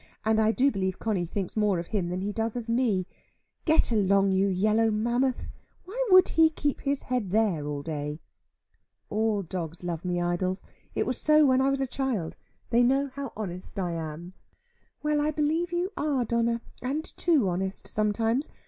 And I do believe Conny thinks more of him than he does of me. Get along, you yellow mammoth! Why he would keep his head there all day?" "All dogs love me, Idols. It was so when I was a child. They know how honest I am." "Well, I believe you are, Donna; and too honest sometimes.